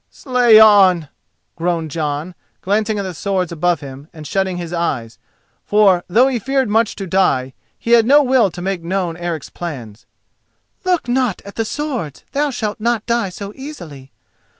"Slay on," groaned Jon, glancing at the swords above him, and shutting his eyes. For, though he feared much to die, he had no will to make known Eric's plans. "Look not at the swords; thou shalt not die so easily.